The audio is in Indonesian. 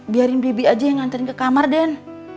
biarin bibi aja yang nganterin ke kamar den